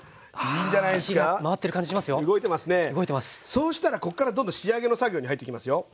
そうしたらこっからどんどん仕上げの作業に入ってきますよ。